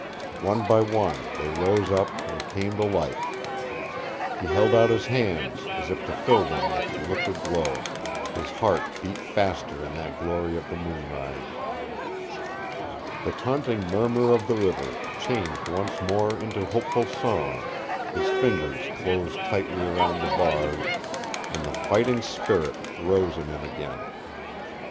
One by one they rose up and came to life. He held out his hands, as if to fill them with the liquid glow; his heart beat faster in that glory of the moonrise. The taunting murmur of the river changed once more into hopeful song, his fingers closed tightly around the bars, and the fighting spirit rose in him again.